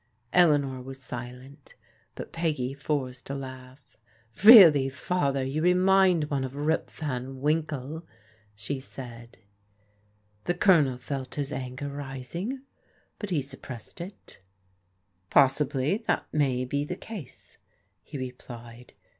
Eleanor was silent, but Peggy forced a laugh. "Really, Father, you remind one of Rip Van Winkle," she said. The Colonel felt his anger rising, but he suppressed it. " Possibly that may be the case," he replied.